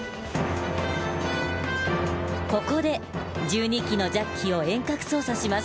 ここで１２基のジャッキを遠隔操作します。